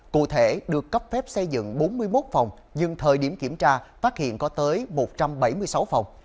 cụ thể được cấp phép xây dựng bốn mươi một phòng nhưng thời điểm kiểm tra phát hiện có tới một trăm bảy mươi sáu phòng